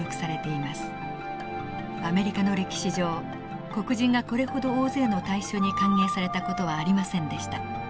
アメリカの歴史上黒人がこれほど大勢の大衆に歓迎された事はありませんでした。